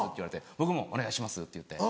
僕も「お願いします」って言って。